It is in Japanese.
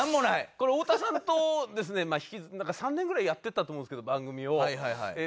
これ太田さんとですねなんか３年ぐらいやってたと思うんですけど番組を。